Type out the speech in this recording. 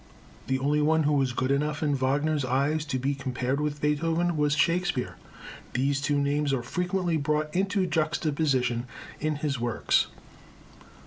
The only one who was good enough in Wagner's eyes to be compared with Beethoven, was Shakespeare. These two names are frequently brought into juxtaposition in his works.